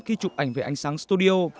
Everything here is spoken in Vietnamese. khi chụp ảnh về ánh sáng studio